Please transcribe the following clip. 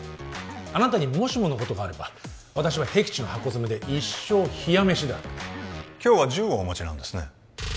あなたにもしものことがあれば私はへき地のハコヅメで一生冷や飯だ今日は銃をお持ちなんですね